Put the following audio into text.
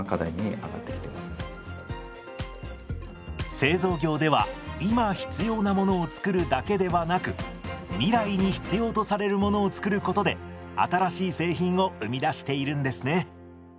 製造業では今必要なものを作るだけではなく未来に必要とされるものを作ることで新しい製品を生み出しているんですね。